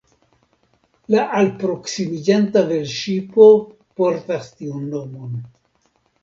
La alproksimiĝanta velŝipo portas tiun nomon.